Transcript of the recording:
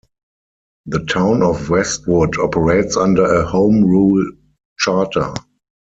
The town of Westwood operates under a home rule charter.